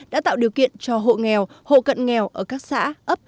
đã tạo điều kiện cho hộ nghèo hộ cận nghèo ở các xã ấp